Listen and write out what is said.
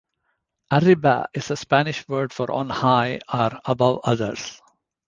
Arriba is the Spanish word for "on high" or "above others.